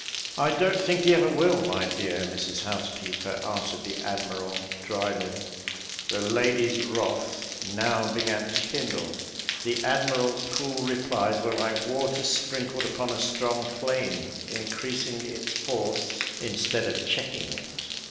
"I don't think he ever will, my dear Mrs Housekeeper," answered the admiral, drily. The lady's wrath now began to kindle. The admiral's cool replies were like water sprinkled upon a strong flame, increasing its force, instead of checking it.